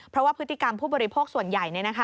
เพราะว่าพฤติกรรมผู้บริโภคส่วนใหญ่